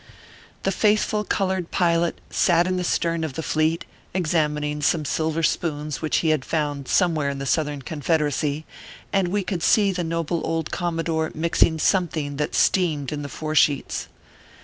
The faithful colored pilot sat in the stern of the Fleet, examining some silver spoons which he had found somewhere in the Southern Confederacy, and we could see the noble old commodore mixing some thing that steamed in the fore sheets.